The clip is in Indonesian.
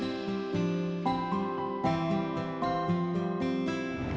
aku mau jadi pacar